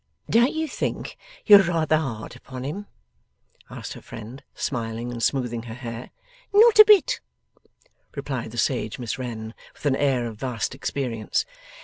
'Don't you think you are rather hard upon him?' asked her friend, smiling, and smoothing her hair. 'Not a bit,' replied the sage Miss Wren, with an air of vast experience.